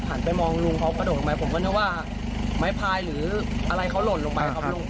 ไปมองลุงเขากระโดดลงไปผมก็นึกว่าไม้พายหรืออะไรเขาหล่นลงไปครับลุง